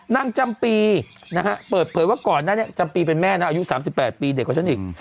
นางจำปีนะฮะเปิดเผยว่าก่อนนั้นจำปีเป็นแม่นะอายุ๓๘ปีเด็กกว่าฉันอีก